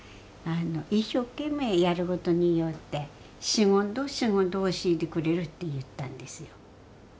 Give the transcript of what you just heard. あの一生懸命やることによって「仕事仕事教えてくれる」って言ったんですよ。